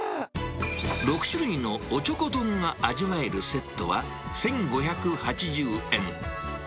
６種類のおちょこ丼が味わえるセットは１５８０円。